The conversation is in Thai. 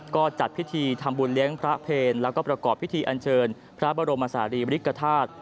ก็จัดพิธีทำบุญเลี้ยงพระเพลแล้วก็ประกอบพิธีอันเชิญพระบรมศาลีบริกฐาตุ